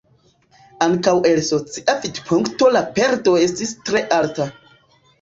Ankaŭ el socia vidpunkto la perdo estis tre alta.